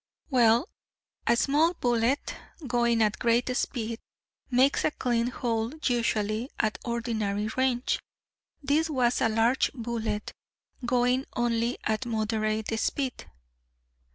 "Well, a small bullet going at great speed makes a clean hole usually, at ordinary range. This was a large bullet, going only at moderate speed."